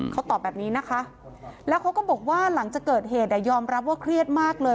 เขาตอบแบบนี้นะคะแล้วเขาก็บอกว่าหลังจากเกิดเหตุยอมรับว่าเครียดมากเลย